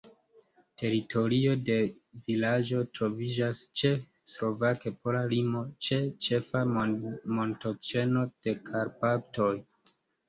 Teritorio de vilaĝo troviĝas ĉe slovak-pola limo, ĉe ĉefa montoĉeno de Karpatoj.